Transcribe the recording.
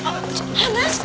離して！